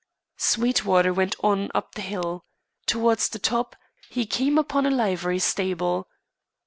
Sweetwater went on up the hill. Towards the top, he came upon a livery stable.